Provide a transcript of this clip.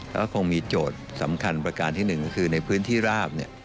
แล้วก็คงมีโจทย์สำคัญประการที่หนึ่งก็คือในพื้นที่ราบ